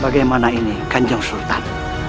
bagaimana ini ganjeng sultan